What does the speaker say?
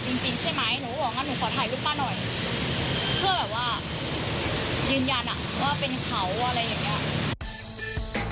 เพื่อแบบว่ายืนยันว่าเป็นเขาอะไรอย่างนี้